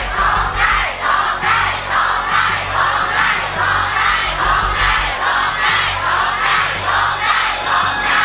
โทษให้โทษให้โทษให้โทษให้โทษให้